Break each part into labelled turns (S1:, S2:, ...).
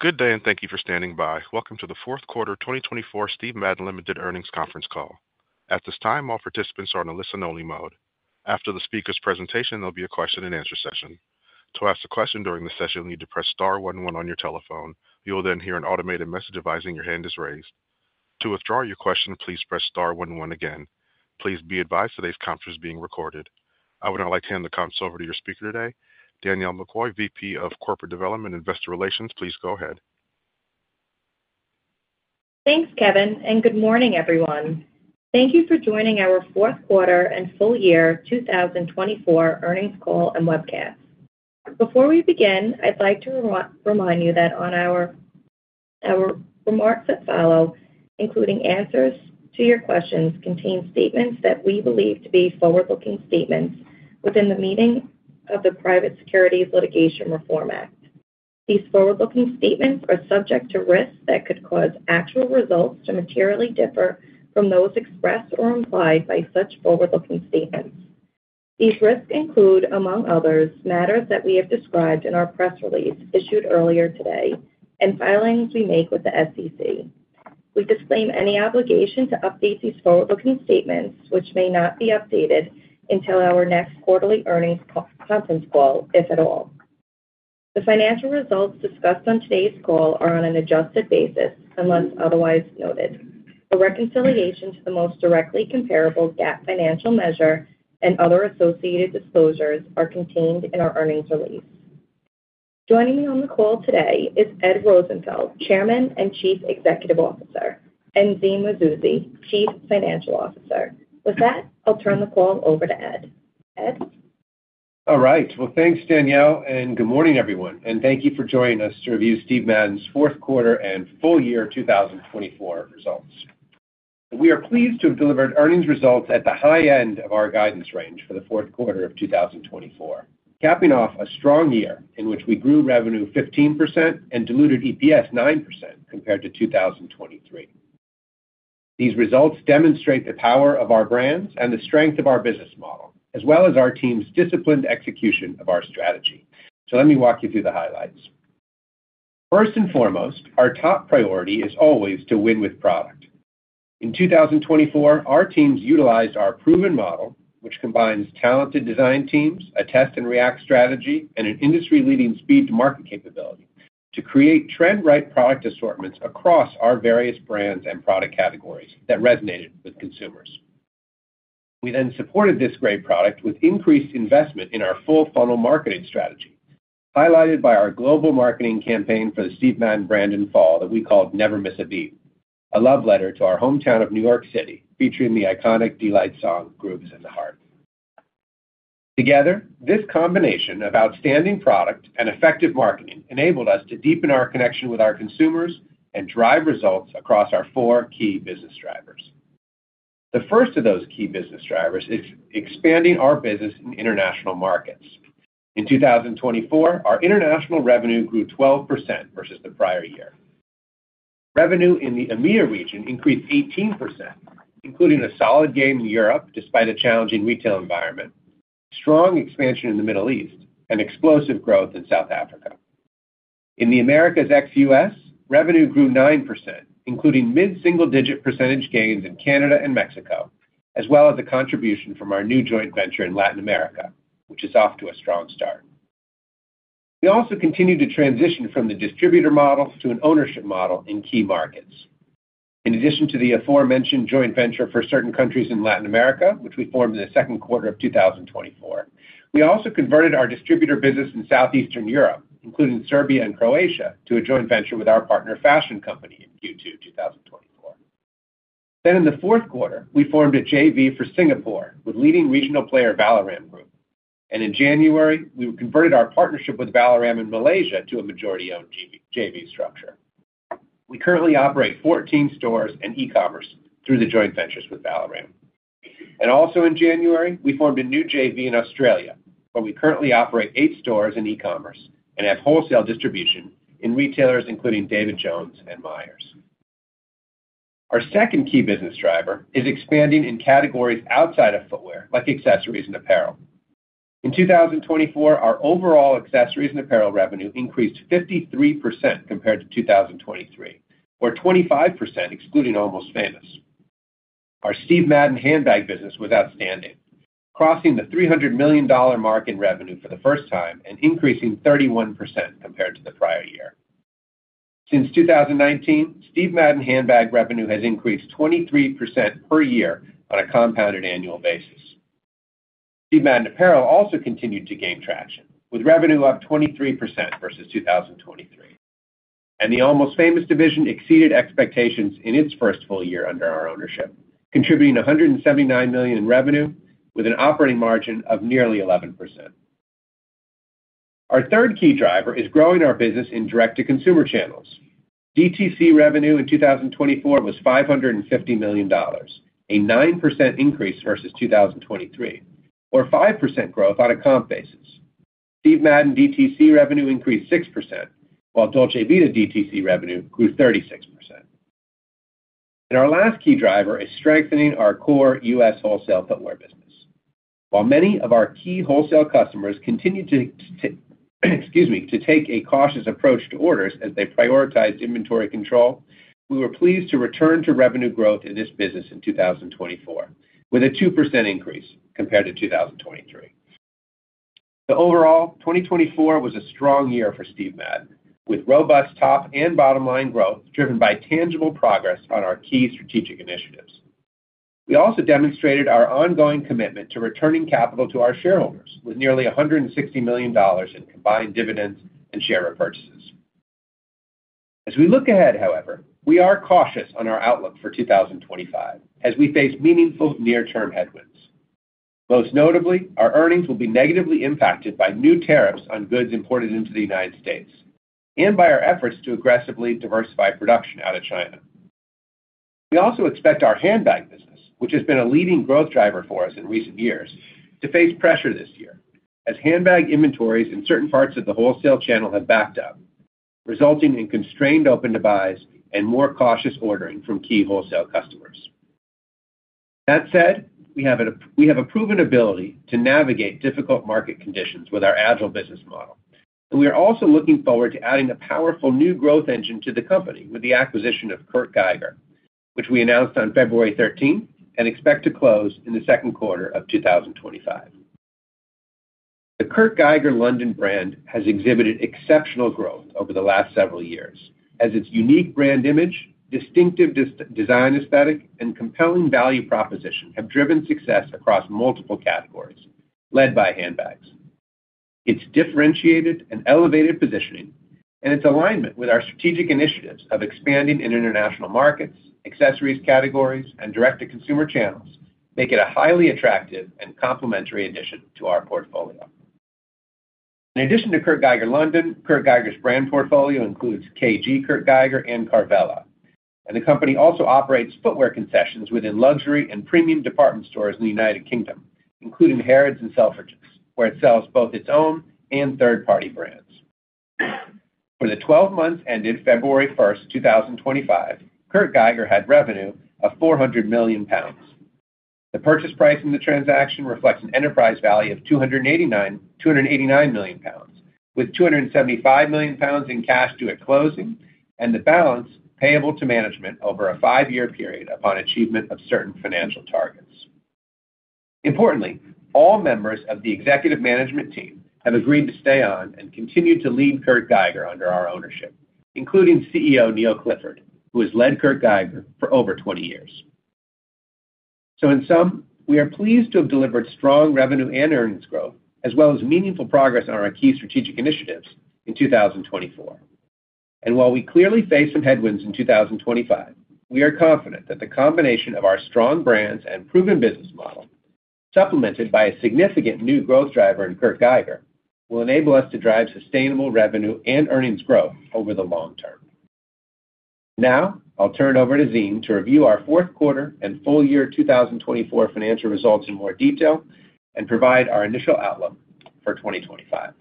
S1: Good day, and thank you for standing by. Welcome to the Q4 2024 Steven Madden Limited Earnings Conference Call. At this time, all participants are in a listen-only mode. After the speaker's presentation, there'll be a question-and-answer session. To ask a question during the session, you'll need to press star one one on your telephone. You will then hear an automated message advising your hand is raised. To withdraw your question, please press star one one again. Please be advised today's conference is being recorded. I would now like to hand the conference over to your speaker today, Danielle McCoy, VP of Corporate Development and Investor Relations. Please go ahead.
S2: Thanks, Kevin, and good morning, everyone. Thank you for joining our Q4 and Full Year 2024 Earnings Call and Webcast. Before we begin, I'd like to remind you that our remarks that follow, including answers to your questions, contain statements that we believe to be forward-looking statements within the meaning of the Private Securities Litigation Reform Act. These forward-looking statements are subject to risks that could cause actual results to materially differ from those expressed or implied by such forward-looking statements. These risks include, among others, matters that we have described in our press release issued earlier today and filings we make with the SEC. We disclaim any obligation to update these forward-looking statements, which may not be updated until our next quarterly earnings conference call, if at all. The financial results discussed on today's call are on an adjusted basis unless otherwise noted. The reconciliation to the most directly comparable GAAP financial measure and other associated disclosures are contained in our earnings release. Joining me on the call today is Ed Rosenfeld, Chairman and Chief Executive Officer, and Zine Mazouzi, Chief Financial Officer. With that, I'll turn the call over to Ed. Ed?
S3: All right, well, thanks, Danielle, and good morning, everyone and thank you for joining us to review Steve Madden's Q4 and full year 2024 results. We are pleased to have delivered earnings results at the high end of our guidance range for the Q4 of 2024, capping off a strong year in which we grew revenue 15 and diluted EPS 9% compared to 2023. These results demonstrate the power of our brands and the strength of our business model, as well as our team's disciplined execution of our strategy, so let me walk you through the highlights. First and foremost, our top priority is always to win with product. In 2024, our teams utilized our proven model, which combines talented design teams, a test-and-react strategy, and an industry-leading speed-to-market capability to create trend-right product assortments across our various brands and product categories that resonated with consumers. We then supported this great product with increased investment in our full-funnel marketing strategy, highlighted by our global marketing campaign for the Steve Madden brand in fall that we called "Never Miss a Beat," a love letter to our hometown of New York City featuring the iconic Deee-Lite song "Groove Is in the Heart." Together, this combination of outstanding product and effective marketing enabled us to deepen our connection with our consumers and drive results across our four key business drivers. The first of those key business drivers is expanding our business in international markets. In 2024, our international revenue grew 12% versus the prior year. Revenue in the EMEA region increased 18%, including a solid gain in Europe despite a challenging retail environment, strong expansion in the Middle East, and explosive growth in South Africa.In the Americas ex-US, revenue grew 9%, including mid-single-digit percentage gains in Canada and Mexico, as well as a contribution from our new joint venture in Latin America, which is off to a strong start. We also continued to transition from the distributor model to an ownership model in key markets. In addition to the aforementioned joint venture for certain countries in Latin America, which we formed in the Q2 of 2024, we also converted our distributor business in South-eastern Europe, including Serbia and Croatia, to a joint venture with our partner Fashion Company in Q2 2024, then in the Q4, we formed a JV for Singapore with leading regional player Valiram Group, and in January, we converted our partnership with Valiram in Malaysia to a majority-owned JV structure. We currently operate 14 stores and e-commerce through the joint ventures with Valiram. Also, in January, we formed a new JV in Australia, where we currently operate eight stores in e-commerce and have wholesale distribution in retailers including David Jones and Myer. Our second key business driver is expanding in categories outside of footwear, like accessories and apparel. In 2024, our overall accessories and apparel revenue increased 53% compared to 2023, or 25% excluding Almost Famous. Our Steve Madden handbag business was outstanding, crossing the $300 million mark in revenue for the first time and increasing 31% compared to the prior year. Since 2019, Steve Madden handbag revenue has increased 23% per year on a compounded annual basis. Steve Madden apparel also continued to gain traction, with revenue up 23% versus 2023. The Almost Famous division exceeded expectations in its first full year under our ownership, contributing $179 million in revenue with an operating margin of nearly 11%. Our third key driver is growing our business in direct-to-consumer channels. DTC revenue in 2024 was $550 million, a 9% increase versus 2023, or 5% growth on a comp basis. Steve Madden DTC revenue increased 6%, while Dolce Vita DTC revenue grew 36%. And our last key driver is strengthening our core U.S. wholesale footwear business. While many of our key wholesale customers continued to, excuse me, to take a cautious approach to orders as they prioritized inventory control, we were pleased to return to revenue growth in this business in 2024, with a 2% increase compared to 2023.The overall 2024 was a strong year for Steve Madden, with robust top and bottom line growth driven by tangible progress on our key strategic initiatives. We also demonstrated our ongoing commitment to returning capital to our shareholders with nearly $160 million in combined dividends and share repurchases. As we look ahead, however, we are cautious on our outlook for 2025 as we face meaningful near-term headwinds. Most notably, our earnings will be negatively impacted by new tariffs on goods imported into the United States and by our efforts to aggressively diversify production out of China.We also expect our handbag business, which has been a leading growth driver for us in recent years, to face pressure this year as handbag inventories in certain parts of the wholesale channel have backed up, resulting in constrained open-to-buys and more cautious ordering from key wholesale customers. That said, we have a proven ability to navigate difficult market conditions with our agile business model. We are also looking forward to adding a powerful new growth engine to the company with the acquisition of Kurt Geiger, which we announced on February 13th and expect to close in the Q2 of 2025. The Kurt Geiger London brand has exhibited exceptional growth over the last several years as its unique brand image, distinctive design aesthetic, and compelling value proposition have driven success across multiple categories led by handbags. Its differentiated and elevated positioning and its alignment with our strategic initiatives of expanding in international markets, accessories categories, and direct-to-consumer channels make it a highly attractive and complementary addition to our portfolio. In addition to Kurt Geiger London, Kurt Geiger's brand portfolio includes KG Kurt Geiger and Carvela. The company also operates footwear concessions within luxury and premium department stores in the United Kingdom, including Harrods and Selfridges, where it sells both its own and third-party brands. For the 12 months ended 1 February 2025, Kurt Geiger had revenue of £400 million. The purchase price in the transaction reflects an enterprise value of £289 million, with £275 million in cash due at closing and the balance payable to management over a five-year period upon achievement of certain financial targets. Importantly, all members of the executive management team have agreed to stay on and continue to lead Kurt Geiger under our ownership, including CEO Neil Clifford, who has led Kurt Geiger for over 20 years. In sum, we are pleased to have delivered strong revenue and earnings growth, as well as meaningful progress on our key strategic initiatives in 2024. While we clearly face some headwinds in 2025, we are confident that the combination of our strong brands and proven business model, supplemented by a significant new growth driver in Kurt Geiger, will enable us to drive sustainable revenue and earnings growth over the long term. Now, I'll turn it over to Zine to review our Q4 and Full Year 2024 Financial results in more detail and provide our initial outlook for 2025.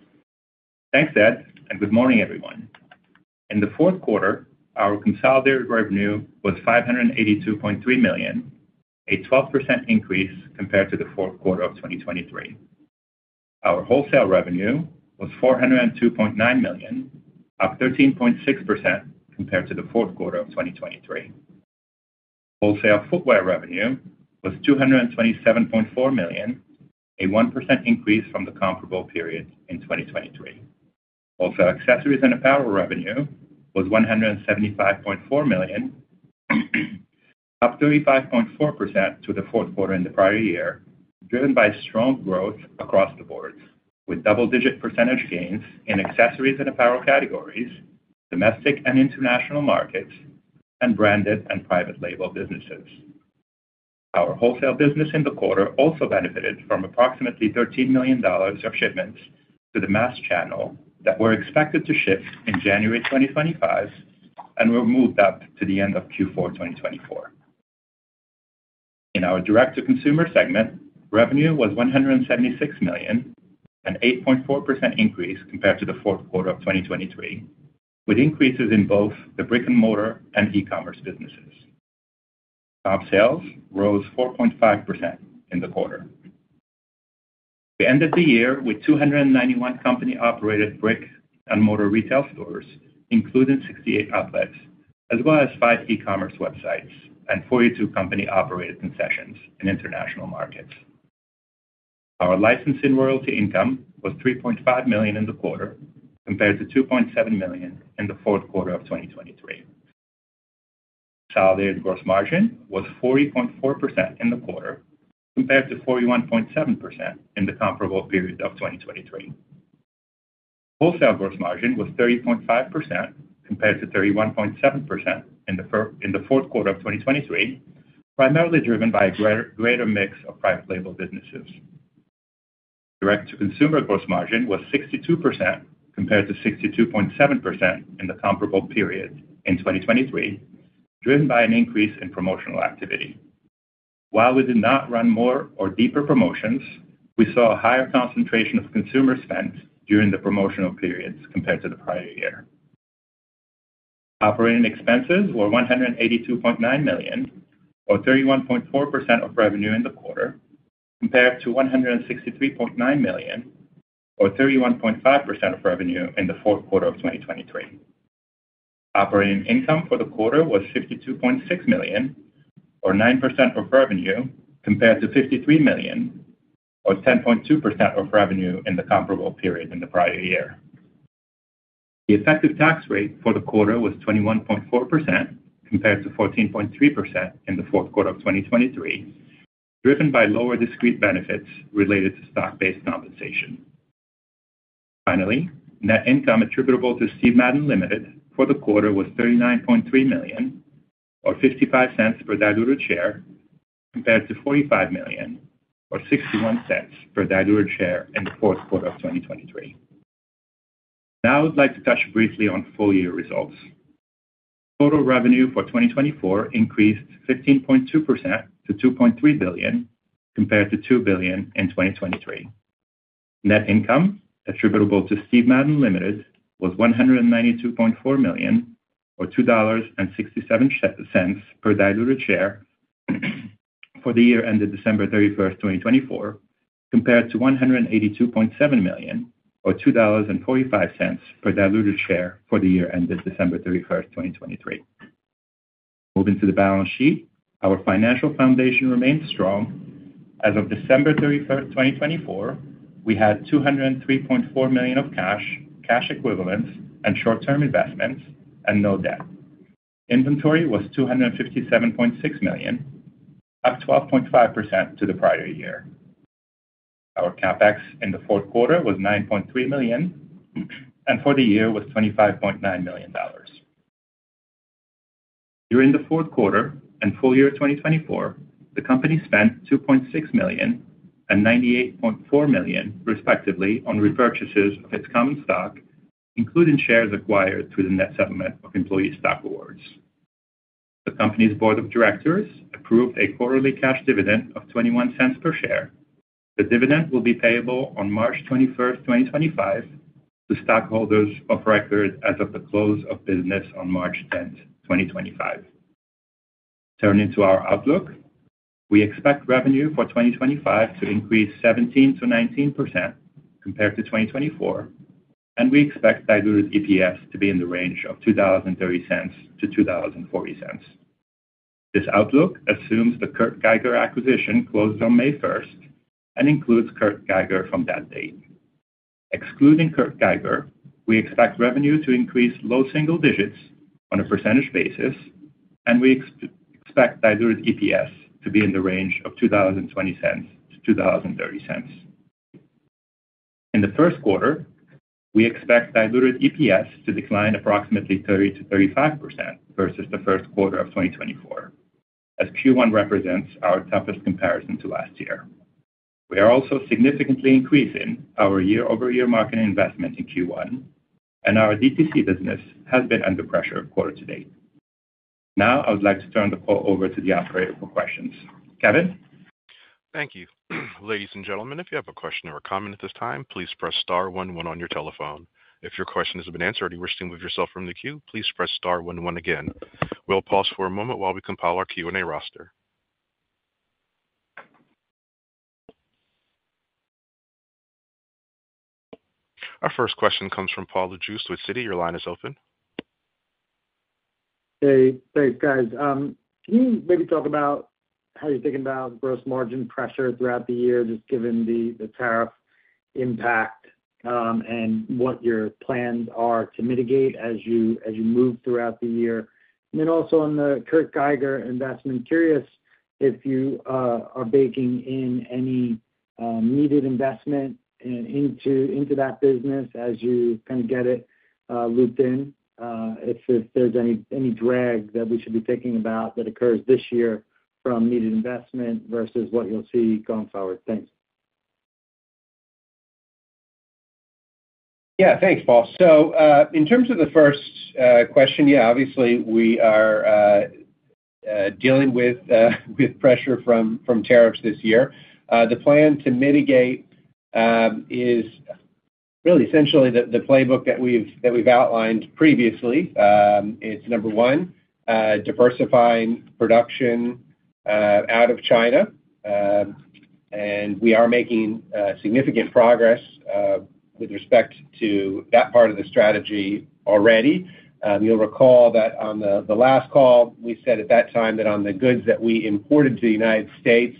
S4: Thanks, Ed. And good morning, everyone. In the Q4, our consolidated revenue was $582.3 million, a 12% increase compared to the Q4 of 2023. Our wholesale revenue was $402.9 million, up 13.6% compared to the Q4 of 2023. Wholesale footwear revenue was $227.4 million, a 1% increase from the comparable period in 2023. Wholesale accessories and apparel revenue was $175.4 million, up 35.4% from the Q4 in the prior year, driven by strong growth across the board with double-digit percentage gains in accessories and apparel categories, domestic and international markets, and branded and private label businesses. Our wholesale business in the quarter also benefited from approximately $13 million of shipments to the mass channel that were expected to shift in January 2025 and were moved up to the end of Q4 2024. In our direct-to-consumer segment, revenue was $176 million, an 8.4% increase compared to the Q4 of 2023, with increases in both the brick-and-mortar and e-commerce businesses. Total sales rose 4.5% in the quarter. We ended the year with 291 company-operated brick-and-mortar retail stores, including 68 outlets, as well as five e-commerce websites and 42 company-operated concessions in international markets. Our licensing royalty income was $3.5 million in the quarter compared to $2.7 million in the Q4 of 2023. Consolidated gross margin was 40.4% in the quarter compared to 41.7% in the comparable period of 2023. Wholesale gross margin was 30.5% compared to 31.7% in the Q4 of 2023, primarily driven by a greater mix of private label businesses. Direct-to-consumer gross margin was 62% compared to 62.7% in the comparable period in 2023, driven by an increase in promotional activity. While we did not run more or deeper promotions, we saw a higher concentration of consumer spend during the promotional periods compared to the prior year. Operating expenses were $182.9 million, or 31.4% of revenue in the quarter, compared to $163.9 million, or 31.5% of revenue in the Q4 of 2023. Operating income for the quarter was $52.6 million, or 9% of revenue, compared to $53 million, or 10.2% of revenue in the comparable period in the prior year. The effective tax rate for the quarter was 21.4% compared to 14.3% in the Q4 of 2023, driven by lower discrete benefits related to stock-based compensation. Finally, net income attributable to Steven Madden Limitd. for the quarter was $39.3 million, or $0.55 per diluted share, compared to $45 million, or $0.61 per diluted share in the Q4 of 2023. Now, I'd like to touch briefly on full year results. Total revenue for 2024 increased 15.2% to $2.3 billion compared to $2 billion in 2023. Net income attributable to Steven Madden Limited. was $192.4 million, or $2.67 per diluted share for the year ended 31 December 2024, compared to $182.7 million, or $2.45 per diluted share for the year ended 31 December 2023. Moving to the balance sheet, our financial foundation remained strong. As of 31 December 2024, we had $203.4 million of cash, cash equivalents, and short-term investments, and no debt. Inventory was $257.6 million, up 12.5% to the prior year. Our CapEx in the Q4 was $9.3 million, and for the year was $25.9 million. During the Q4 and full year 2024, the company spent $2.6 million and $98.4 million, respectively, on repurchases of its common stock, including shares acquired through the net settlement of employee stock awards. The company's board of directors approved a quarterly cash dividend of $0.21 per share. The dividend will be payable on 21 March 2025, to stockholders of record as of the close of business on 10 March 2025. Turning to our outlook, we expect revenue for 2025 to increase 17% to 19% compared to 2024, and we expect diluted EPS to be in the range of $0.230 to $0.240. This outlook assumes the Kurt Geiger acquisition closed on 1 May and includes Kurt Geiger from that date. Excluding Kurt Geiger, we expect revenue to increase low single digits on a percentage basis, and we expect diluted EPS to be in the range of $0.220 to $0.230. In the Q1, we expect diluted EPS to decline approximately 30%to 35% versus the Q1 of 2024, as Q1 represents our toughest comparison to last year. We are also significantly increasing our year-over-year market investment in Q1, and our DTC business has been under pressure quarter to date. Now, I would like to turn the call over to the operator for questions. Kevin.
S1: Thank you. Ladies and gentlemen, if you have a question or a comment at this time, please press star one one on your telephone. If your question has been answered and you wish to move yourself from the queue, please press star one one again. We'll pause for a moment while we compile our Q&A roster. Our first question comes from Paul Lejuez, Citi. Your line is open.
S5: Hey. Thanks, guys. Can you maybe talk about how you're thinking about gross margin pressure throughout the year, just given the tariff impact and what your plans are to mitigate as you move throughout the year? And then also on the Kurt Geiger investment, curious if you are baking in any needed investment into that business as you kind of get it looped in, if there's any drag that we should be thinking about that occurs this year from needed investment versus what you'll see going forward? Thanks.
S3: Yeah. Thanks, Paul. So in terms of the first question, yeah, obviously, we are dealing with pressure from tariffs this year. The plan to mitigate is really essentially the playbook that we've outlined previously. It's number one, diversifying production out of China. And we are making significant progress with respect to that part of the strategy already. You'll recall that on the last call, we said at that time that on the goods that we imported to the United States,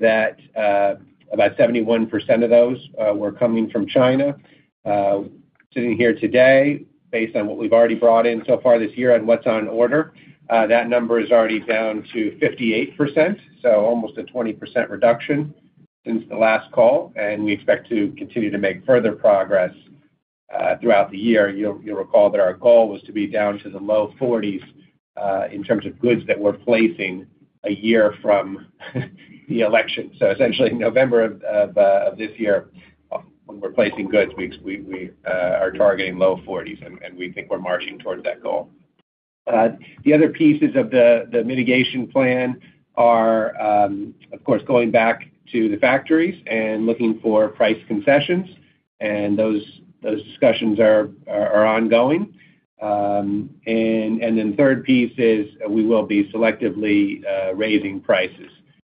S3: that about 71% of those were coming from China. Sitting here today, based on what we've already brought in so far this year and what's on order, that number is already down to 58%, so almost a 20% reduction since the last call. And we expect to continue to make further progress throughout the year. You'll recall that our goal was to be down to the low 40s in terms of goods that we're placing a year from the election, so essentially, in November of this year, when we're placing goods, we are targeting low 40s, and we think we're marching towards that goal. The other pieces of the mitigation plan are, of course, going back to the factories and looking for price concessions, and those discussions are ongoing, and then the third piece is we will be selectively raising prices,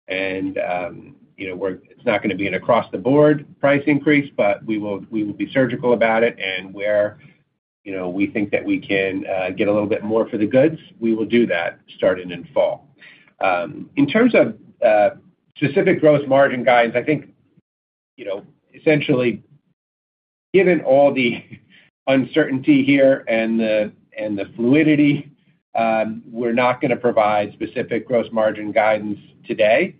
S3: and it's not going to be an across-the-board price increase, but we will be surgical about it, and where we think that we can get a little bit more for the goods, we will do that starting in fall. In terms of specific gross margin guidance, I think essentially, given all the uncertainty here and the fluidity, we're not going to provide specific gross margin guidance today.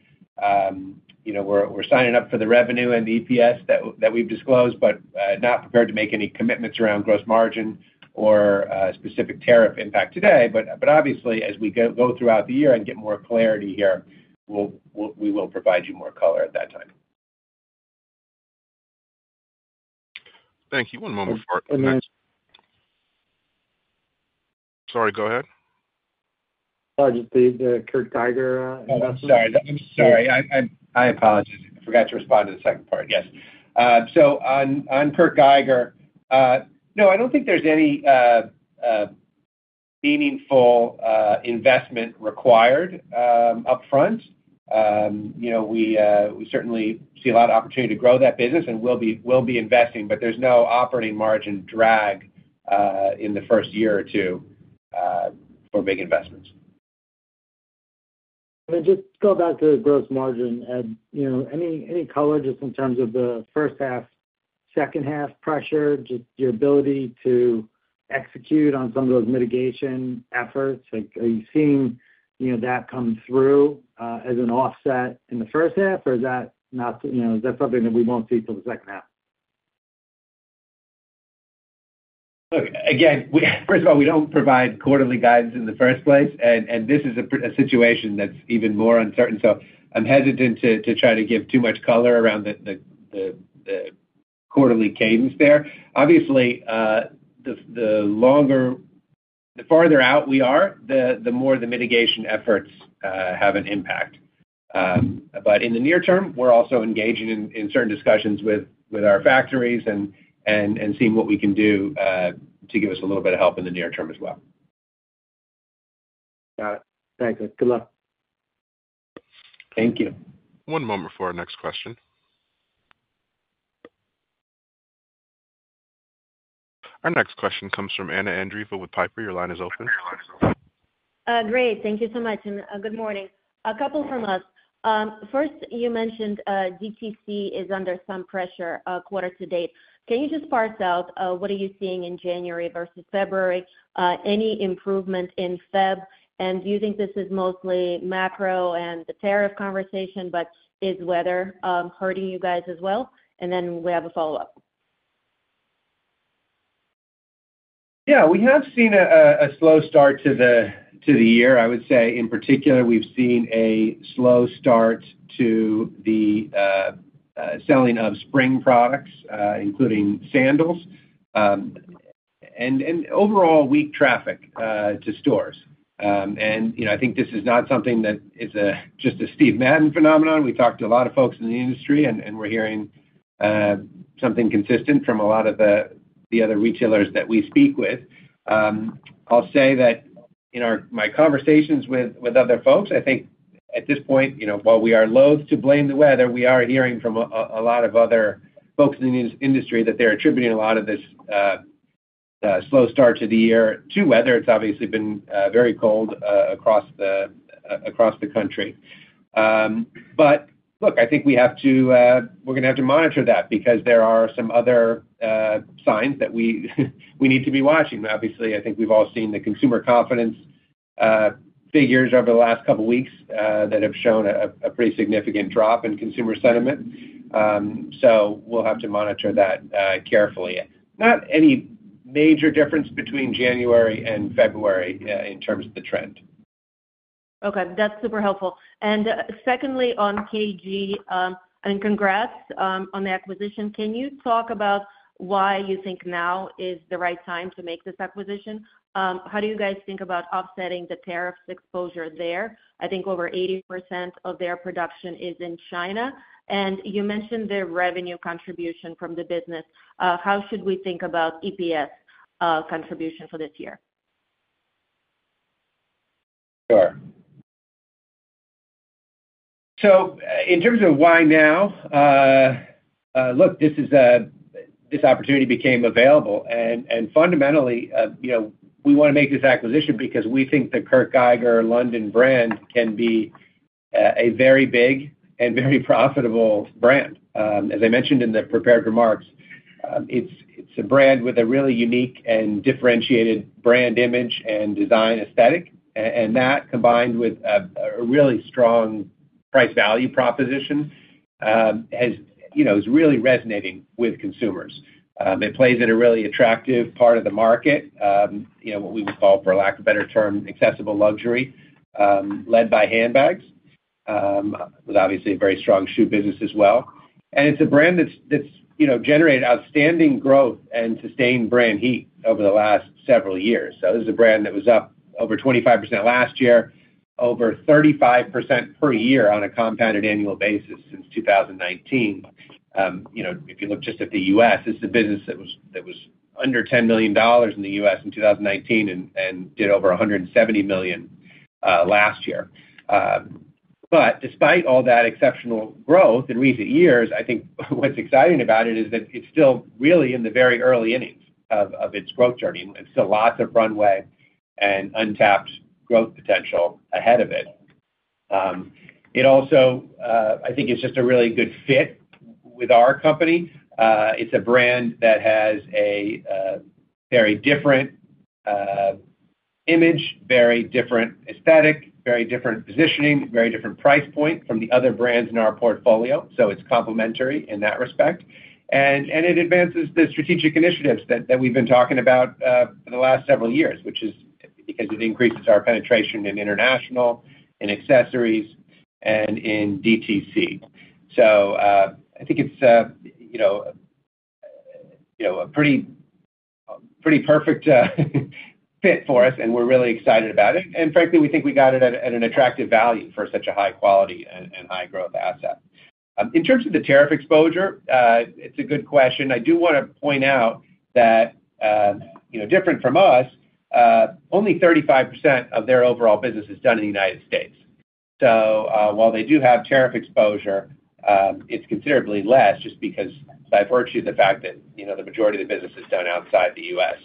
S3: We're signing up for the revenue and the EPS that we've disclosed, but not prepared to make any commitments around gross margin or specific tariff impact today. But obviously, as we go throughout the year and get more clarity here, we will provide you more color at that time.
S1: Thank you. One moment for our next. Sorry, go ahead.
S5: Sorry, just the Kurt Geiger investment.
S3: Sorry. I'm sorry. I apologize. I forgot to respond to the second part. Yes. So on Kurt Geiger, no, I don't think there's any meaningful investment required upfront. We certainly see a lot of opportunity to grow that business and will be investing, but there's no operating margin drag in the first year or two for big investments.
S5: And just go back to the gross margin. Ed, any color just in terms of the first half, second half pressure, just your ability to execute on some of those mitigation efforts? Are you seeing that come through as an offset in the first half, or is that something that we won't see till the second half?
S3: Again, first of all, we don't provide quarterly guidance in the first place, and this is a situation that's even more uncertain. So I'm hesitant to try to give too much color around the quarterly cadence there. Obviously, the farther out we are, the more the mitigation efforts have an impact. But in the near term, we're also engaging in certain discussions with our factories and seeing what we can do to give us a little bit of help in the near term as well.
S5: Got it. Thanks. Good luck.
S3: Thank you.
S1: One moment for our next question. Our next question comes from Anna Andreeva with Piper. Your line is open.
S6: Great. Thank you so much, and good morning. A couple from us. First, you mentioned DTC is under some pressure quarter to date. Can you just parse out what are you seeing in January versus February? Any improvement in February? And do you think this is mostly macro and the tariff conversation, but is weather hurting you guys as well? And then we have a follow-up.
S3: Yeah. We have seen a slow start to the year. I would say, in particular, we've seen a slow start to the selling of spring products, including sandals, and overall weak traffic to stores, and I think this is not something that is just a Steve Madden phenomenon. We talk to a lot of folks in the industry, and we're hearing something consistent from a lot of the other retailers that we speak with. I'll say that in my conversations with other folks, I think at this point, while we are loath to blame the weather, we are hearing from a lot of other folks in the industry that they're attributing a lot of this slow start to the year to weather. It's obviously been very cold across the country. But look, I think we're going to have to monitor that because there are some other signs that we need to be watching. Obviously, I think we've all seen the consumer confidence figures over the last couple of weeks that have shown a pretty significant drop in consumer sentiment. So we'll have to monitor that carefully. Not any major difference between January and February in terms of the trend.
S6: Okay. That's super helpful. And secondly, on KG, I mean, congrats on the acquisition. Can you talk about why you think now is the right time to make this acquisition? How do you guys think about offsetting the tariffs exposure there? I think over 80% of their production is in China. And you mentioned their revenue contribution from the business. How should we think about EPS contribution for this year?
S3: Sure. So in terms of why now, look, this opportunity became available, and fundamentally, we want to make this acquisition because we think the Kurt Geiger London brand can be a very big and very profitable brand. As I mentioned in the prepared remarks, it's a brand with a really unique and differentiated brand image and design aesthetic, and that, combined with a really strong price value proposition, is really resonating with consumers. It plays in a really attractive part of the market, what we would call, for lack of a better term, accessible luxury, led by handbags, with obviously a very strong shoe business as well, and it's a brand that's generated outstanding growth and sustained brand heat over the last several years, so this is a brand that was up over 25% last year, over 35% per year on a compounded annual basis since 2019. If you look just at the US, this is a business that was under $10 million in the US in 2019 and did over $170 million last year. But despite all that exceptional growth in recent years, I think what's exciting about it is that it's still really in the very early innings of its growth journey. It's still lots of runway and untapped growth potential ahead of it. It also, I think, is just a really good fit with our company. It's a brand that has a very different image, very different aesthetic, very different positioning, very different price point from the other brands in our portfolio. So it's complementary in that respect. And it advances the strategic initiatives that we've been talking about for the last several years, which is because it increases our penetration in international, in accessories and in DTC. So I think it's a pretty perfect fit for us, and we're really excited about it. And frankly, we think we got it at an attractive value for such a high-quality and high-growth asset. In terms of the tariff exposure, it's a good question. I do want to point out that, different from us, only 35% of their overall business is done in the United States. So while they do have tariff exposure, it's considerably less just because by virtue of the fact that the majority of the business is done outside the US.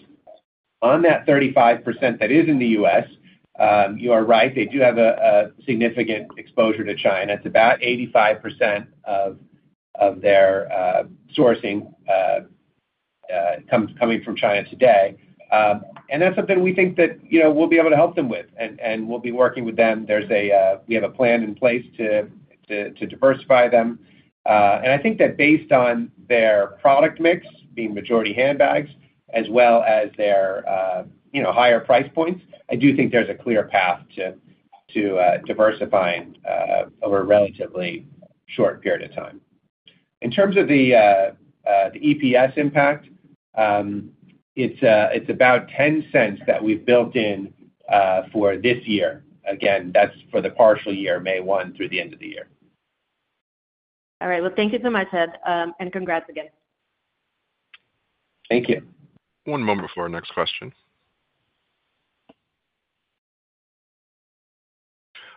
S3: On that 35% that is in the US, you are right. They do have a significant exposure to China. It's about 85% of their sourcing coming from China today. And that's something we think that we'll be able to help them with, and we'll be working with them. We have a plan in place to diversify them. I think that based on their product mix, being majority handbags, as well as their higher price points, I do think there's a clear path to diversifying over a relatively short period of time. In terms of the EPS impact, it's about $0.10 that we've built in for this year. Again, that's for the partial year, 1 May through the end of the year.
S6: All right. Well, thank you so much, Ed. And congrats again.
S3: Thank you.
S1: One moment for our next question.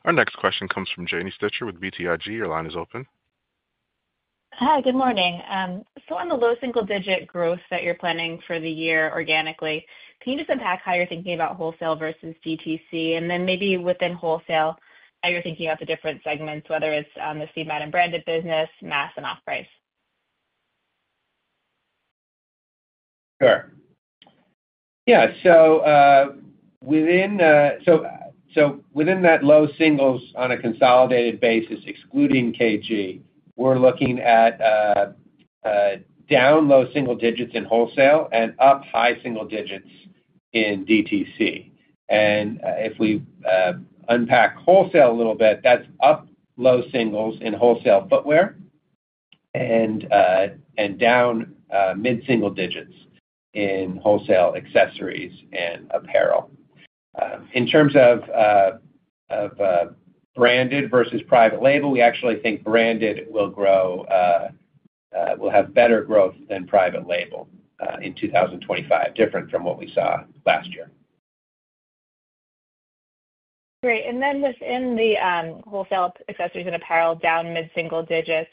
S1: Our next question comes from Janine Stichter with BTIG. Your line is open.
S7: Hi. Good morning. So on the low single-digit growth that you're planning for the year organically, can you just unpack how you're thinking about wholesale versus DTC? And then maybe within wholesale, how you're thinking about the different segments, whether it's the Steve Madden branded business, mass, and off-price?
S3: Sure. Yeah. Within that low single digits on a consolidated basis, excluding KG, we're looking at down low single digits in wholesale and up high single digits in DTC. If we unpack wholesale a little bit, that's up low single digits in wholesale footwear and down mid-single digits in wholesale accessories and apparel. In terms of branded versus private label, we actually think branded will have better growth than private label in 2025, different from what we saw last year.
S7: Great. And then within the wholesale accessories and apparel, down mid-single digits,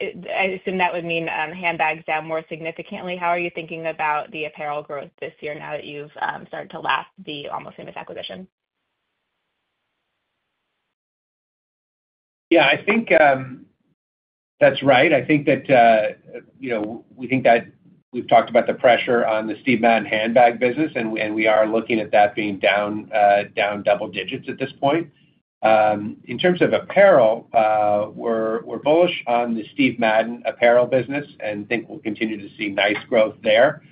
S7: I assume that would mean handbags down more significantly. How are you thinking about the apparel growth this year now that you've started to lap the Almost Famous acquisition?
S3: Yeah. I think that's right. I think that we think that we've talked about the pressure on the Steve Madden handbag business, and we are looking at that being down double digits at this point. In terms of apparel, we're bullish on the Steve Madden apparel business and think we'll continue to see nice growth there.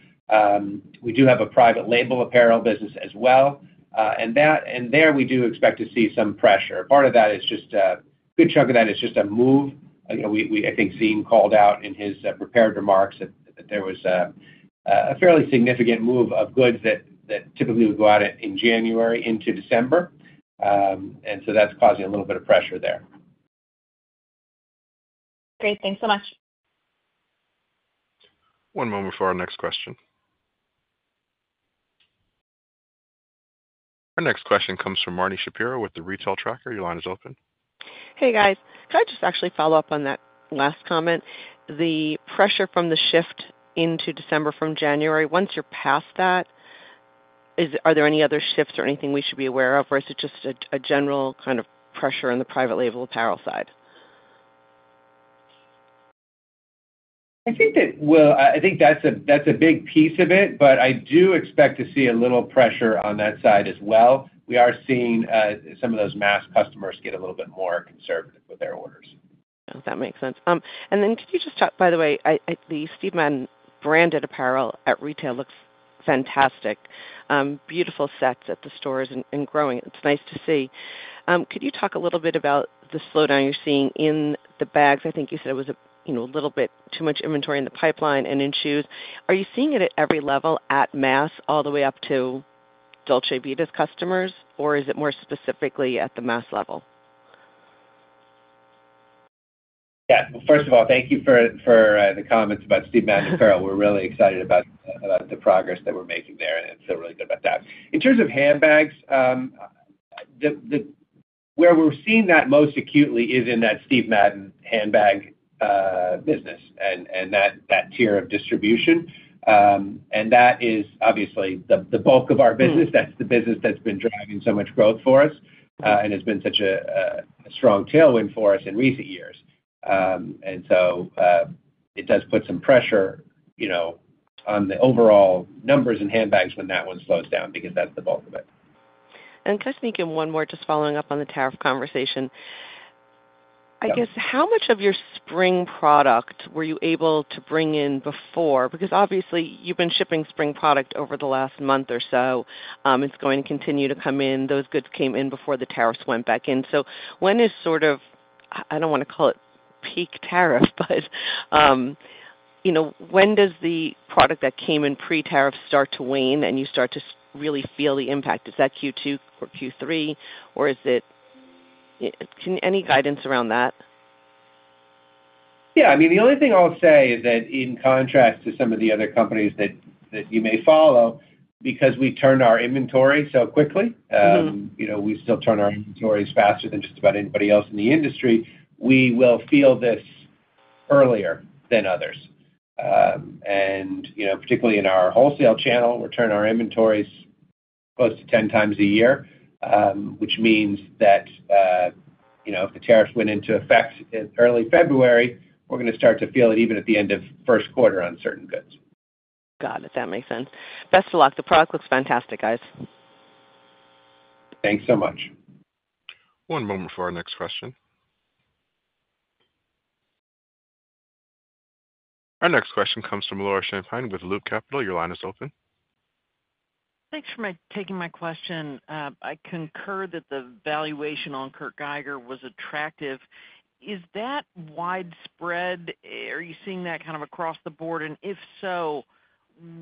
S3: We do have a private label apparel business as well, and there, we do expect to see some pressure. Part of that is just a good chunk of that, a move. I think Zine called out in his prepared remarks that there was a fairly significant move of goods that typically would go out in January into December. And so that's causing a little bit of pressure there.
S7: Great. Thanks so much.
S1: One moment for our next question. Our next question comes from Marni Shapiro with The Retail Tracker. Your line is open.
S8: Hey, guys. Can I just actually follow up on that last comment? The pressure from the shift into December from January, once you're past that, are there any other shifts or anything we should be aware of, or is it just a general kind of pressure on the private label apparel side?
S4: I think that, well, I think that's a big piece of it, but I do expect to see a little pressure on that side as well. We are seeing some of those mass customers get a little bit more conservative with their orders.
S8: That makes sense. And then could you just talk, by the way, the Steve Madden branded apparel at retail looks fantastic. Beautiful sets at the stores and growing. It's nice to see. Could you talk a little bit about the slowdown you're seeing in the bags? I think you said it was a little bit too much inventory in the pipeline and in shoes. Are you seeing it at every level at mass all the way up to Dolce Vita's customers, or is it more specifically at the mass level?
S3: Yeah. First of all, thank you for the comments about Steve Madden apparel. We're really excited about the progress that we're making there, and I feel really good about that. In terms of handbags, where we're seeing that most acutely is in that Steve Madden handbag business and that tier of distribution. That is obviously the bulk of our business. That's the business that's been driving so much growth for us and has been such a strong tailwind for us in recent years. It does put some pressure on the overall numbers in handbags when that one slows down because that's the bulk of it.
S8: Just thinking one more, just following up on the tariff conversation. I guess how much of your spring product were you able to bring in before? Because obviously, you've been shipping spring product over the last month or so. It's going to continue to come in. Those goods came in before the tariffs went back in. So when is sort of, I don't want to call it peak tariff, but when does the product that came in pre-tariff start to wane and you start to really feel the impact? Is that Q2 or Q3, or is it any guidance around that?
S3: Yeah. I mean, the only thing I'll say is that in contrast to some of the other companies that you may follow, because we turn our inventory so quickly, we still turn our inventories faster than just about anybody else in the industry, we will feel this earlier than others. And particularly in our wholesale channel, we're turning our inventories close to 10 times a year, which means that if the tariffs went into effect in early February, we're going to start to feel it even at the end of Q1 on certain goods.
S8: Got it. That makes sense. Best of luck. The product looks fantastic, guys.
S3: Thanks so much.
S1: One moment for our next question. Our next question comes from Laura Champine with Loop Capital. Your line is open.
S9: Thanks for taking my question. I concur that the valuation on Kurt Geiger was attractive. Is that widespread? Are you seeing that kind of across the board? And if so,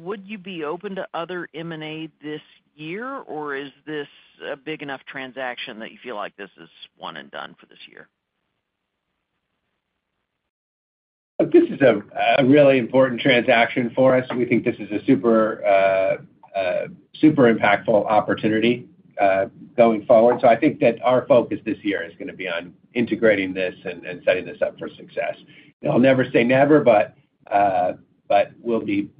S9: would you be open to other M&A this year, or is this a big enough transaction that you feel like this is one and done for this year?
S3: This is a really important transaction for us. We think this is a super impactful opportunity going forward. So I think that our focus this year is going to be on integrating this and setting this up for success. I'll never say never, but we'll be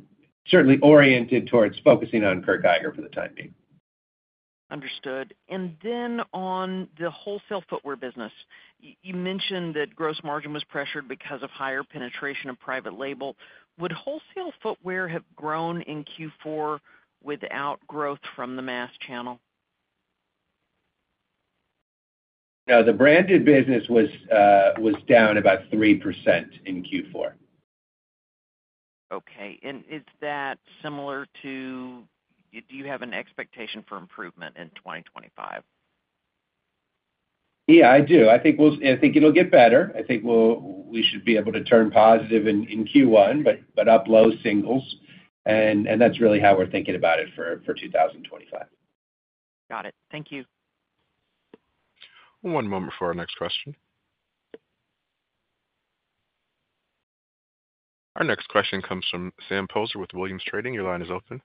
S3: certainly oriented towards focusing on Kurt Geiger for the time being.
S9: Understood, and then on the wholesale footwear business, you mentioned that gross margin was pressured because of higher penetration of private label. Would wholesale footwear have grown in Q4 without growth from the mass channel?
S3: No. The branded business was down about 3% in Q4.
S9: Okay, and is that similar, too? Do you have an expectation for improvement in 2025?
S3: Yeah, I do. I think it'll get better. I think we should be able to turn positive in Q1, but up low singles. And that's really how we're thinking about it for 2025.
S9: Got it. Thank you.
S1: One moment for our next question. Our next question comes from Sam Poser with Williams Trading. Your line is open.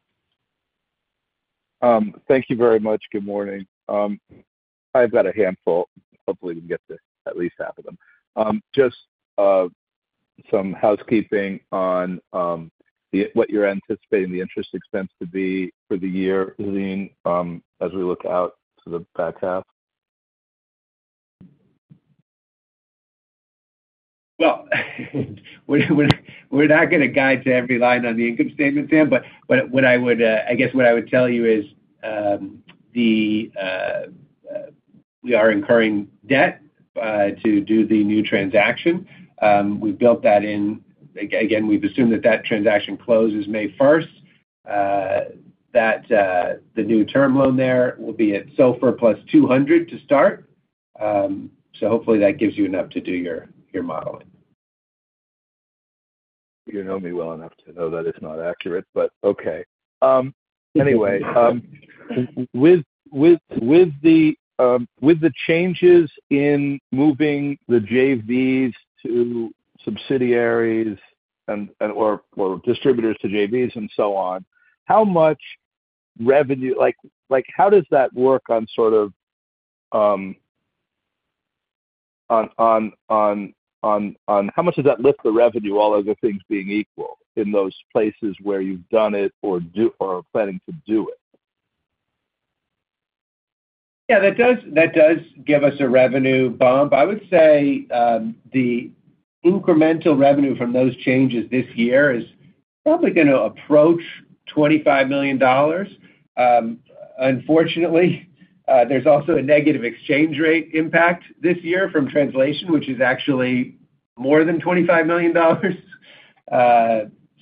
S10: Thank you very much. Good morning. I've got a handful. Hopefully, we can get to at least half of them. Just some housekeeping on what you're anticipating the interest expense to be for the year, Zine, as we look out to the back half.
S3: We're not going to guide to every line on the income statement, Sam. But I guess what I would tell you is we are incurring debt to do the new transaction. We've built that in. Again, we've assumed that that transaction closes May 1st. The new term loan there will be at SOFR plus 200 to start. So hopefully, that gives you enough to do your modeling.
S10: You know me well enough to know that it's not accurate, but okay. Anyway, with the changes in moving the JVs to subsidiaries or distributors to JVs and so on, how much revenue, how does that work on sort of how much does that lift the revenue, all other things being equal, in those places where you've done it or are planning to do it?
S3: Yeah. That does give us a revenue bump. I would say the incremental revenue from those changes this year is probably going to approach $25 million. Unfortunately, there's also a negative exchange rate impact this year from translation, which is actually more than $25 million.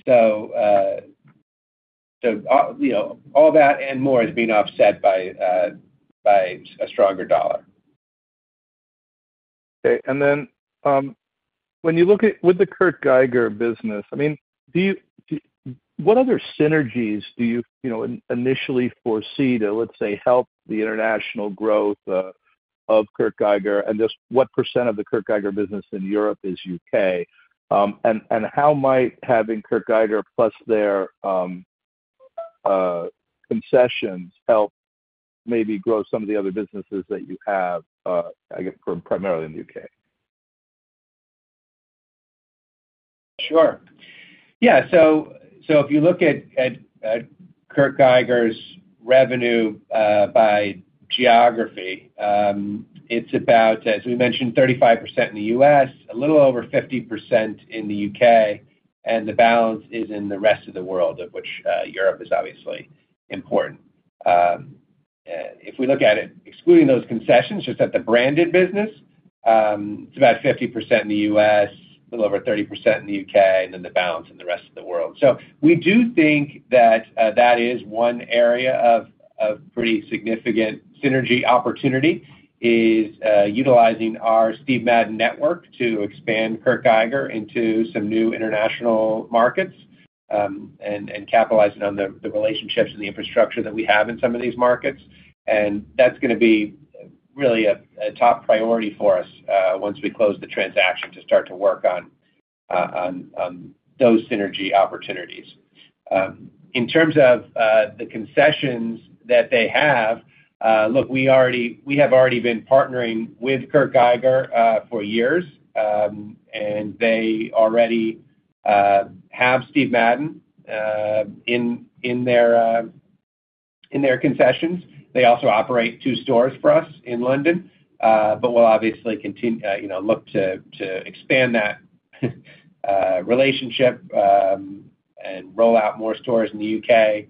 S3: So all that and more is being offset by a stronger dollar.
S10: Okay. And then when you look at with the Kurt Geiger business, I mean, what other synergies do you initially foresee to, let's say, help the international growth of Kurt Geiger? And just what percent of the Kurt Geiger business in Europe is UK? And how might having Kurt Geiger plus their concessions help maybe grow some of the other businesses that you have, I guess, primarily in the UK?
S3: Sure. Yeah. So if you look at Kurt Geiger's revenue by geography, it's about, as we mentioned, 35% in the US, a little over 50% in the UK, and the balance is in the rest of the world, of which Europe is obviously important. If we look at it, excluding those concessions, just at the branded business, it's about 50% in the US a little over 30% in the UK and then the balance in the rest of the world. So we do think that that is one area of pretty significant synergy opportunity is utilizing our Steve Madden network to expand Kurt Geiger into some new international markets and capitalizing on the relationships and the infrastructure that we have in some of these markets. And that's going to be really a top priority for us once we close the transaction to start to work on those synergy opportunities. In terms of the concessions that they have, look, we have already been partnering with Kurt Geiger for years, and they already have Steve Madden in their concessions. They also operate two stores for us in London. But we'll obviously look to expand that relationship and roll out more stores in the UK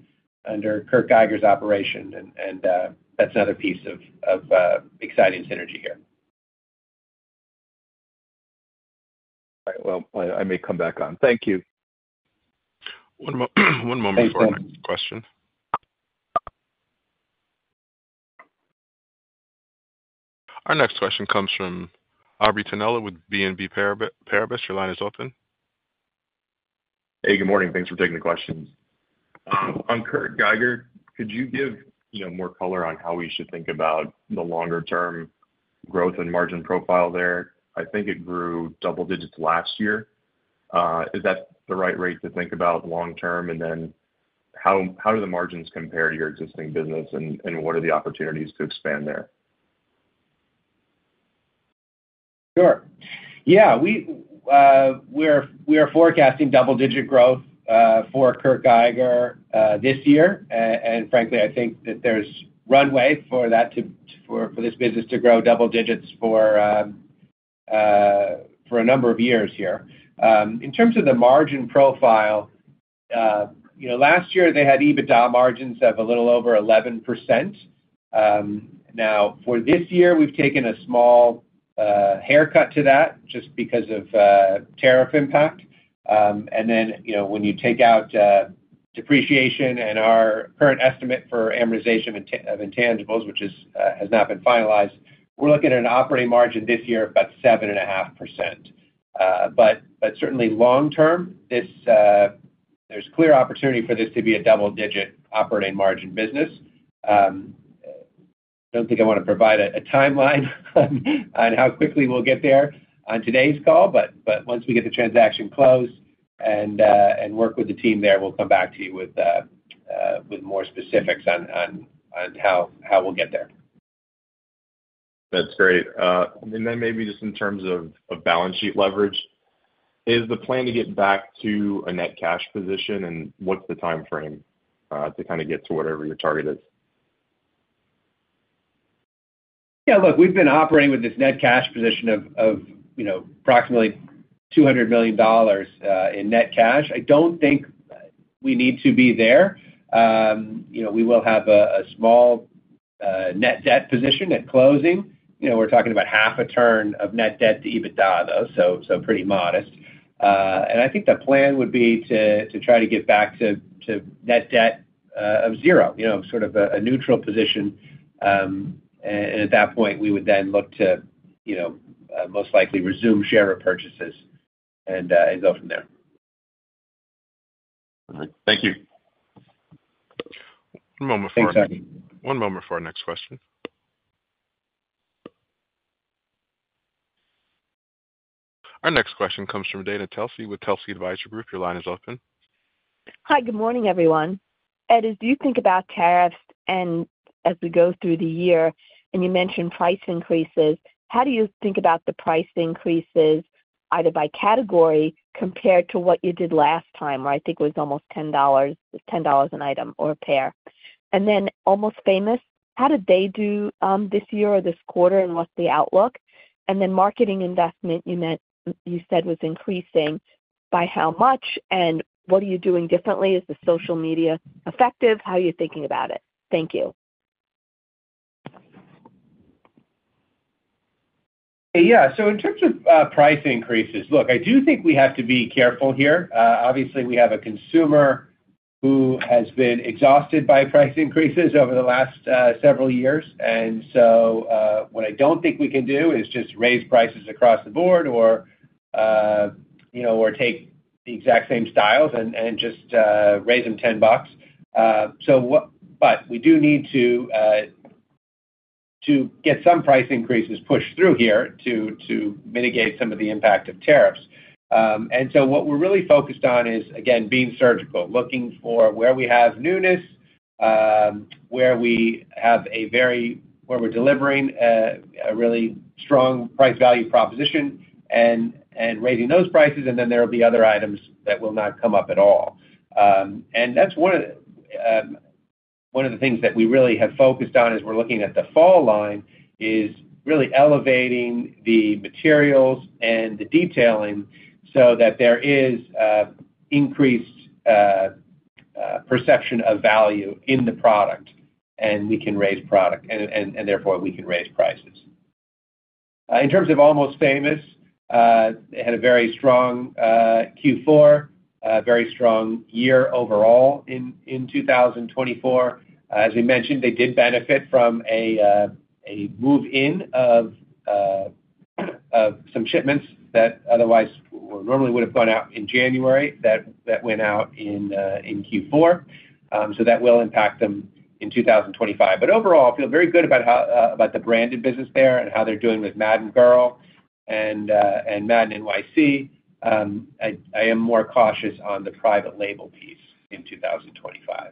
S3: under Kurt Geiger's operation, and that's another piece of exciting synergy here.
S10: All right. Well, I may come back on. Thank you.
S1: One moment for our next question. Our next question comes from Aubrey Tianello with BNP Paribas. Your line is open.
S11: Hey, good morning. Thanks for taking the question. On Kurt Geiger, could you give more color on how we should think about the longer-term growth and margin profile there? I think it grew double digits last year. Is that the right rate to think about long-term? And then how do the margins compare to your existing business, and what are the opportunities to expand there?
S3: Sure. Yeah. We are forecasting double-digit growth for Kurt Geiger this year, and frankly, I think that there's runway for this business to grow double digits for a number of years here. In terms of the margin profile, last year, they had EBITDA margins of a little over 11%. Now, for this year, we've taken a small haircut to that just because of tariff impact, and then when you take out depreciation and our current estimate for amortization of intangibles, which has not been finalized, we're looking at an operating margin this year of about 7.5%, but certainly, long-term, there's clear opportunity for this to be a double-digit operating margin business. I don't think I want to provide a timeline on how quickly we'll get there on today's call, but once we get the transaction closed and work with the team there, we'll come back to you with more specifics on how we'll get there.
S11: That's great. And then maybe just in terms of balance sheet leverage, is the plan to get back to a net cash position, and what's the timeframe to kind of get to whatever your target is?
S3: Yeah. Look, we've been operating with this net cash position of approximately $200 million in net cash. I don't think we need to be there. We will have a small net debt position at closing. We're talking about half a turn of net debt to EBITDA, though, so pretty modest. And I think the plan would be to try to get back to net debt of zero, sort of a neutral position. And at that point, we would then look to most likely resume share repurchases and go from there.
S11: All right. Thank you.
S1: One moment for our next question.
S3: Thank you, Sam.
S1: One moment for our next question. Our next question comes from Dana Telsey with Telsey Advisory Group. Your line is open.
S12: Hi. Good morning, everyone. Ed, as you think about tariffs and as we go through the year, and you mentioned price increases, how do you think about the price increases either by category compared to what you did last time, where I think it was almost $10 an item or a pair? And then Almost Famous, how did they do this year or this quarter and what's the outlook? And then marketing investment, you said was increasing. By how much? And what are you doing differently? Is the social media effective? How are you thinking about it? Thank you.
S3: Yeah. So in terms of price increases, look, I do think we have to be careful here. Obviously, we have a consumer who has been exhausted by price increases over the last several years. And so what I don't think we can do is just raise prices across the board or take the exact same styles and just raise them $10. But we do need to get some price increases pushed through here to mitigate some of the impact of tariffs. And so what we're really focused on is, again, being surgical, looking for where we have newness, where we're delivering a really strong price value proposition and raising those prices, and then there will be other items that will not come up at all. That's one of the things that we really have focused on as we're looking at the fall line is really elevating the materials and the detailing so that there is increased perception of value in the product and we can raise product and therefore we can raise prices. In terms of Almost Famous, they had a very strong Q4, very strong year overall in 2024. As we mentioned, they did benefit from a move-in of some shipments that otherwise normally would have gone out in January that went out in Q4. So that will impact them in 2025. But overall, I feel very good about the branded business there and how they're doing with Madden Girl and Madden NYC. I am more cautious on the private label piece in 2025.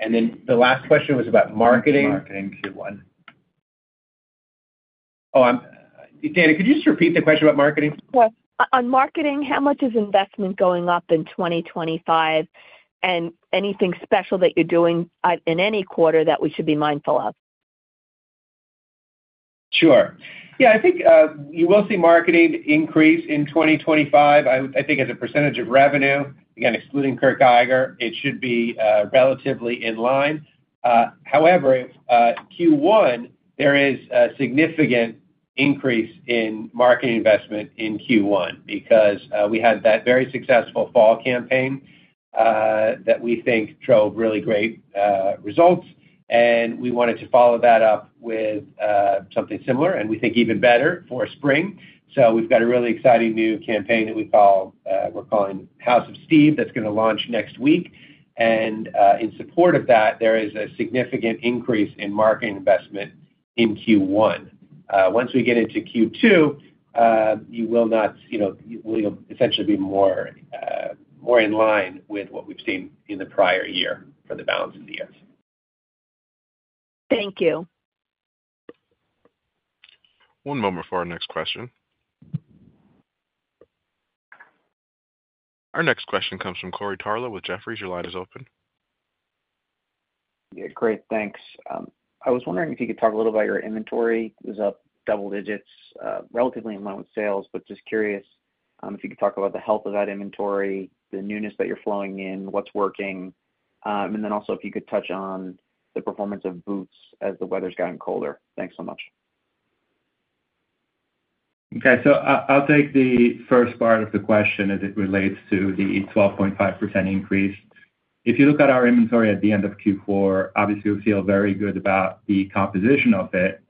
S3: Then the last question was about marketing.
S4: Marketing Q1. Oh, Dana, could you just repeat the question about marketing?
S13: Yes. On marketing, how much is investment going up in 2025 and anything special that you're doing in any quarter that we should be mindful of?
S3: Sure. Yeah. I think you will see marketing increase in 2025. I think as a percentage of revenue, again, excluding Kurt Geiger, it should be relatively in line. However, Q1, there is a significant increase in marketing investment in Q1 because we had that very successful fall campaign that we think drove really great results. And we wanted to follow that up with something similar, and we think even better for spring. So we've got a really exciting new campaign that we're calling House of Steve that's going to launch next week. And in support of that, there is a significant increase in marketing investment in Q1. Once we get into Q2, you'll essentially be more in line with what we've seen in the prior year for the balance of the years.
S6: Thank you.
S1: One moment for our next question. Our next question comes from Corey Tarlow with Jefferies. Your line is open.
S14: Yeah. Great. Thanks. I was wondering if you could talk a little about your inventory. It was up double digits, relatively in line with sales, but just curious if you could talk about the health of that inventory, the newness that you're flowing in, what's working, and then also if you could touch on the performance of boots as the weather's gotten colder. Thanks so much.
S4: Okay, so I'll take the first part of the question as it relates to the 12.5% increase. If you look at our inventory at the end of Q4, obviously, we feel very good about the composition of it,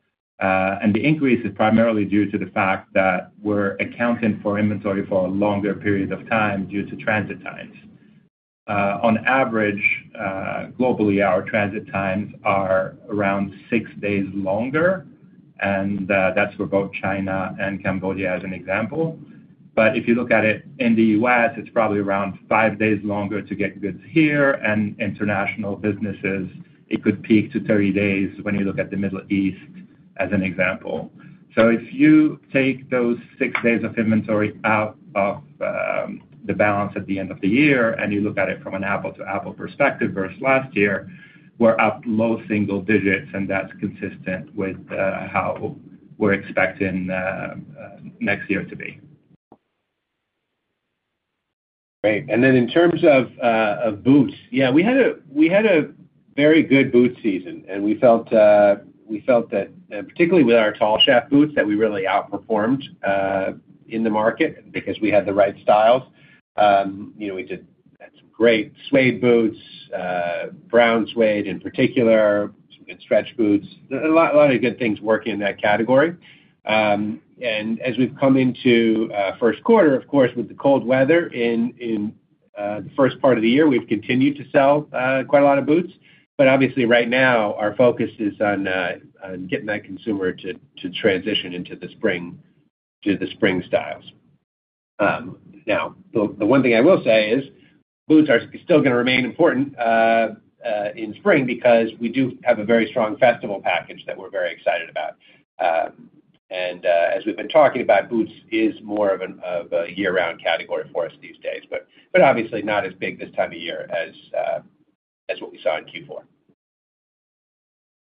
S4: and the increase is primarily due to the fact that we're accounting for inventory for a longer period of time due to transit times. On average, globally, our transit times are around six days longer, and that's for both China and Cambodia as an example, but if you look at it in the US, it's probably around five days longer to get goods here, and international businesses, it could peak to 30 days when you look at the Middle East as an example. So if you take those six days of inventory out of the balance at the end of the year and you look at it from an apple-to-apple perspective versus last year, we're up low single digits, and that's consistent with how we're expecting next year to be.
S3: Right. And then in terms of boots, yeah, we had a very good boot season, and we felt that, particularly with our tall shaft boots, that we really outperformed in the market because we had the right styles. We had some great suede boots, brown suede in particular, some good stretch boots, a lot of good things working in that category. And as we've come into Q1, of course, with the cold weather in the first part of the year, we've continued to sell quite a lot of boots. But obviously, right now, our focus is on getting that consumer to transition into the spring styles. Now, the one thing I will say is boots are still going to remain important in spring because we do have a very strong festival package that we're very excited about. As we've been talking about, boots is more of a year-round category for us these days, but obviously not as big this time of year as what we saw in Q4.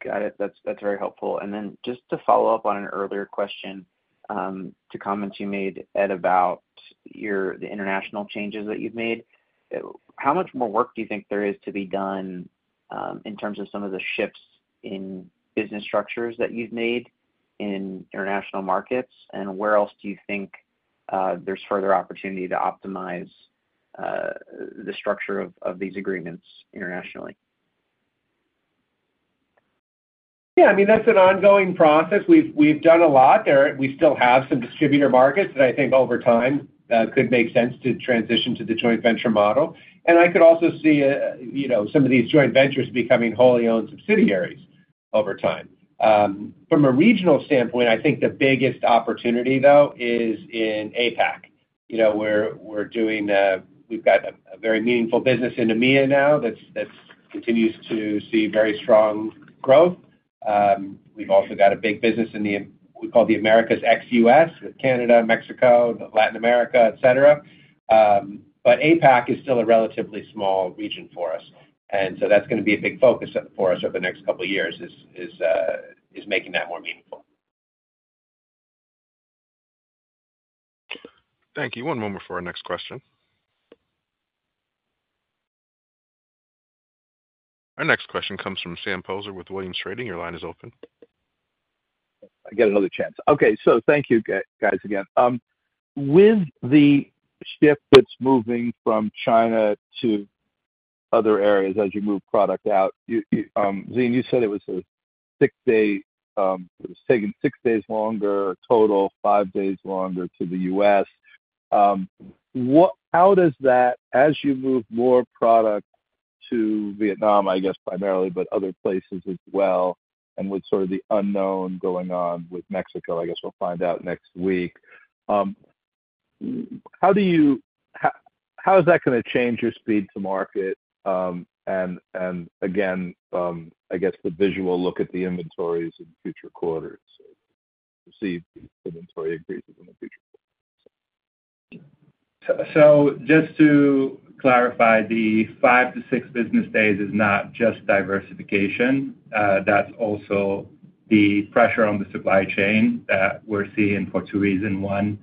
S14: Got it. That's very helpful. And then just to follow up on an earlier question, to a comment you made, Ed, about the international changes that you've made, how much more work do you think there is to be done in terms of some of the shifts in business structures that you've made in international markets? And where else do you think there's further opportunity to optimize the structure of these agreements internationally?
S3: Yeah. I mean, that's an ongoing process. We've done a lot there. We still have some distributor markets that I think over time could make sense to transition to the joint venture model. And I could also see some of these joint ventures becoming wholly owned subsidiaries over time. From a regional standpoint, I think the biggest opportunity, though, is in APAC. We've got a very meaningful business in EMEA now that continues to see very strong growth. We've also got a big business in what we call the Americas ex-US with Canada, Mexico, Latin America, etc. But APAC is still a relatively small region for us. And so that's going to be a big focus for us over the next couple of years, is making that more meaningful.
S1: Thank you. One moment for our next question. Our next question comes from Sam Poser with Williams Trading. Your line is open.
S10: I get another chance. Okay. Thank you, guys, again. With the shift that's moving from China to other areas as you move product out, Zine, you said it was taking six days longer, total five days longer to the US. How does that, as you move more product to Vietnam, I guess, primarily, but other places as well, and with sort of the unknown going on with Mexico, I guess we'll find out next week, how is that going to change your speed to market? And again, I guess the visual look at the inventories in future quarters to see if the inventory increases in the future quarter.
S4: So just to clarify, the five to six business days is not just diversification. That's also the pressure on the supply chain that we're seeing for two reasons. One,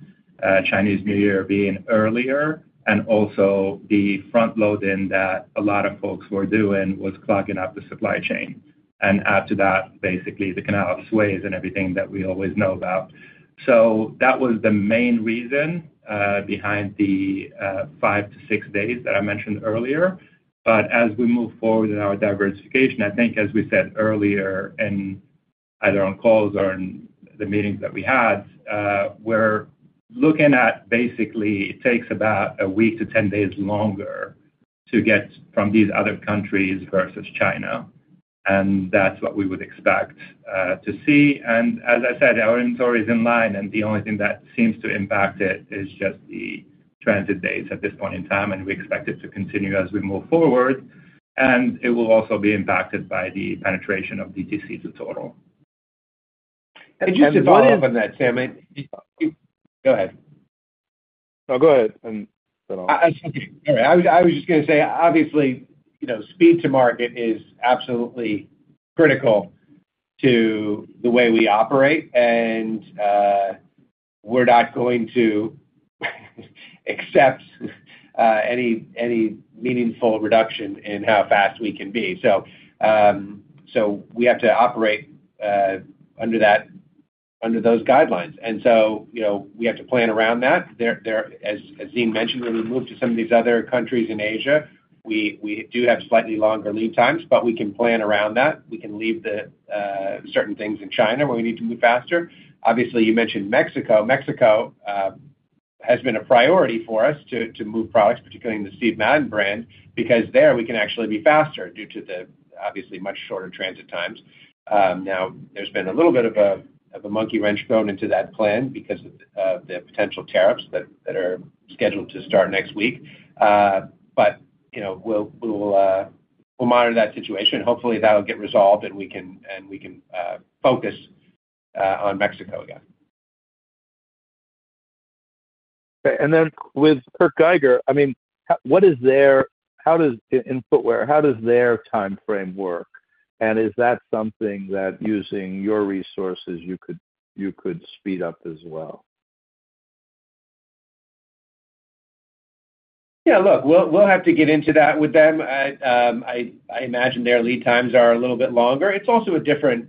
S4: Chinese New Year being earlier, and also the front loading that a lot of folks were doing was clogging up the supply chain. And after that, basically, the Suez Canal and everything that we always know about. So that was the main reason behind the five to six days that I mentioned earlier. But as we move forward in our diversification, I think, as we said earlier, and either on calls or in the meetings that we had, we're looking at basically it takes about a week to 10 days longer to get from these other countries versus China. And that's what we would expect to see. And as I said, our inventory is in line, and the only thing that seems to impact it is just the transit days at this point in time, and we expect it to continue as we move forward. And it will also be impacted by the penetration of DTC to total.
S10: I just want to.
S3: Just to follow up on that, Sam, I-Go ahead.
S10: No, go ahead.
S3: That's okay. All right. I was just going to say, obviously, speed to market is absolutely critical to the way we operate, and we're not going to accept any meaningful reduction in how fast we can be. So we have to operate under those guidelines, and so we have to plan around that. As Zine mentioned, when we move to some of these other countries in Asia, we do have slightly longer lead times, but we can plan around that. We can leave certain things in China where we need to move faster. Obviously, you mentioned Mexico. Mexico has been a priority for us to move products, particularly in the Steve Madden brand, because there we can actually be faster due to the, obviously, much shorter transit times. Now, there's been a little bit of a monkey wrench thrown into that plan because of the potential tariffs that are scheduled to start next week. But we'll monitor that situation. Hopefully, that'll get resolved, and we can focus on Mexico again.
S10: And then with Kurt Geiger, I mean, what is their in footwear? How does their time frame work? And is that something that using your resources you could speed up as well?
S3: Yeah. Look, we'll have to get into that with them. I imagine their lead times are a little bit longer. It's also a different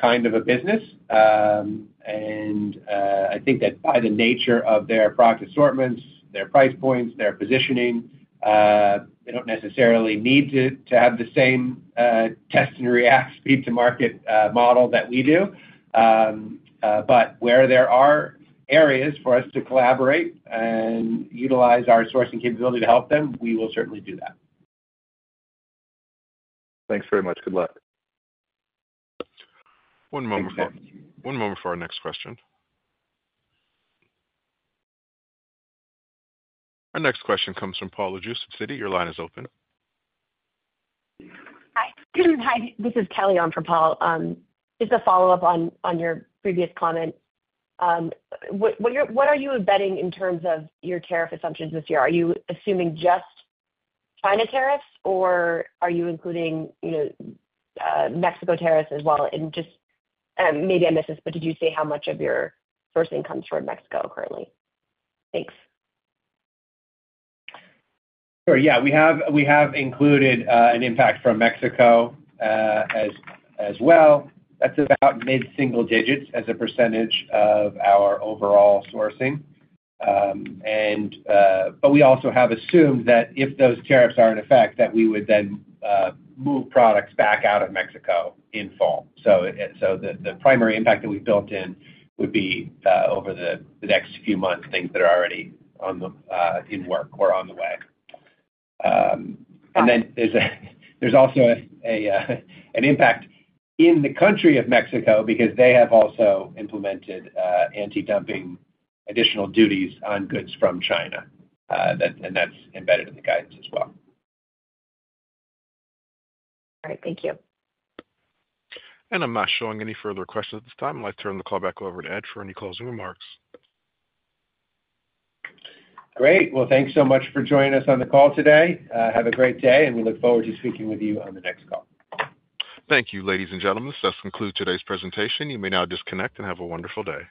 S3: kind of a business. And I think that by the nature of their product assortments, their price points, their positioning, they don't necessarily need to have the same test and react speed to market model that we do. But where there are areas for us to collaborate and utilize our sourcing capability to help them, we will certainly do that.
S10: Thanks very much. Good luck.
S1: One moment for our next question. Our next question comes from Paul Lejuez, Citi. Your line is open.
S15: Hi. This is Kelly on for Paul. Just a follow-up on your previous comment. What are you embedding in terms of your tariff assumptions this year? Are you assuming just China tariffs, or are you including Mexico tariffs as well? And just maybe I missed this, but did you say how much of your sourcing comes from Mexico currently? Thanks.
S3: Sure. Yeah. We have included an impact from Mexico as well. That's about mid-single digits percent of our overall sourcing. But we also have assumed that if those tariffs are in effect, that we would then move products back out of Mexico in fall. So the primary impact that we've built in would be over the next few months, things that are already in work or on the way. And then there's also an impact in the country of Mexico because they have also implemented anti-dumping additional duties on goods from China, and that's embedded in the guidance as well.
S15: All right. Thank you.
S1: I'm not showing any further questions at this time. I'd like to turn the call back over to Ed for any closing remarks.
S4: Great. Well, thanks so much for joining us on the call today. Have a great day, and we look forward to speaking with you on the next call.
S1: Thank you, ladies and gentlemen. This does conclude today's presentation. You may now disconnect and have a wonderful day.